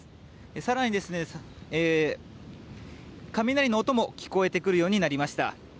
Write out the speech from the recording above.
更に、雷の音も聞こえてくるようになりました。